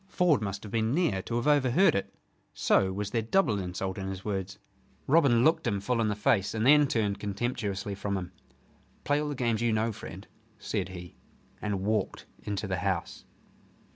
Ford must have been near to have overheard it. So was there double insult in his words. Robin looked him full in the face, and then turned contemptuously from him. "Play all the games you know, friend," said he: and walked into the house.